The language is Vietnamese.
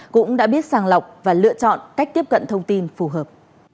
cũng đã biết sàng lọc và lựa chọn cách tiếp cận thông tin phù hợp